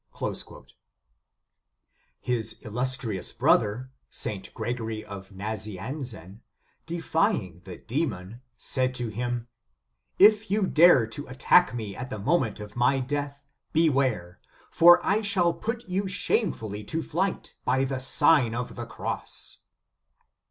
"* His illustrious brother, St. Gregory Nazi anzen, defying the demon, said to him: "If you dare to attack me at the moment of my death, beware : for I shall put you shamefully to flight by the Sign of the Cross."